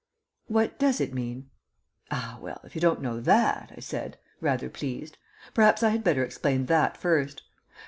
"What does it mean?" "Ah, well, if you don't know that," I said, rather pleased, "perhaps I had better explain that first.